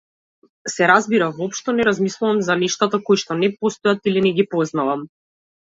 Се разбира, воопшто не размислувам за нештата коишто не постојат или не ги познавам.